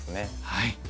はい。